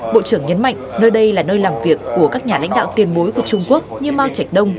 bộ trưởng nhấn mạnh nơi đây là nơi làm việc của các nhà lãnh đạo tiền bối của trung quốc như mao trạch đông